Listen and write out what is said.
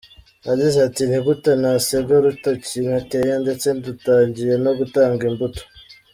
Yagize ati” Ni gute nasiga urutoki nateye ndetse rutangiye no gutanga imbuto?”.